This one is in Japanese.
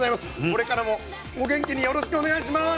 これからもお元気によろしくお願いします！